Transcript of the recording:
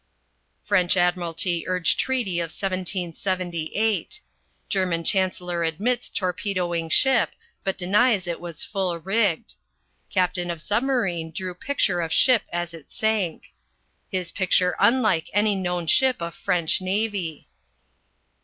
French Admiralty urge treaty of 1778. German Chancellor admits torpedoing ship but denies that it was full rigged. Captain of submarine drew picture of ship as it sank. His picture unlike any known ship of French navy.